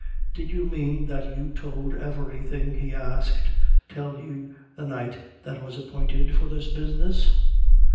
"Did the man that tould you everything," he asked, "tell you the night that was appointed for this business?"